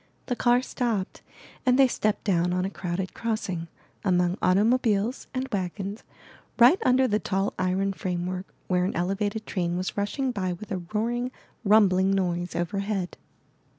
The car stopped and they stepped down on a crowded crossing, among automobiles and wagons, right under the tall iron framework where an elevated train was rushing by with a roaring, rumbling noise overhead.